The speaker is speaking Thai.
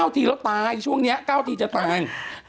ทีแล้วตายช่วงนี้๙ทีจะตาย